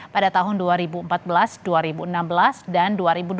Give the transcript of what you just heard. pada tahun dua ribu empat belas dua ribu enam belas dan dua ribu dua puluh